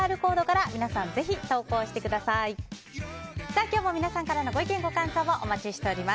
本日も皆さんからのご意見ご感想をお待ちしております。